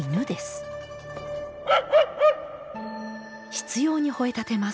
執ようにほえたてます。